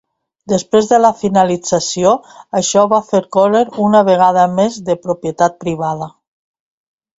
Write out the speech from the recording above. Després de la finalització, això va fer Corel una vegada més de propietat privada.